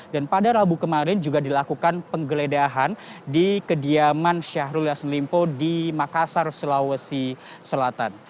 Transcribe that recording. dan pada rabu kemarin juga dilakukan penggeledahan di kediaman syahrul yasin limpo di makassar sulawesi selatan